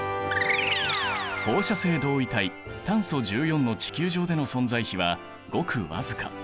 放射性同位体炭素１４の地球上での存在比はごく僅か。